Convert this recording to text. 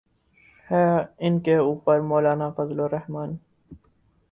ہی، ان کے اوپر مولانا فضل الرحمن۔